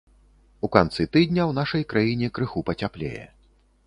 У канцы тыдня ў нашай краіне крыху пацяплее.